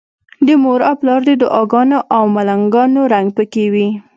د مور او پلار د دعاګانو او ملنګانو رنګ پکې وي.